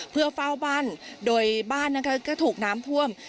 เพื่อเฝ้าบ้านโดยบ้านนะคะก็ถูกน้ำท่วม